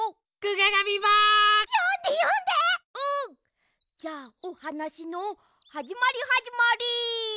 じゃあおはなしのはじまりはじまり。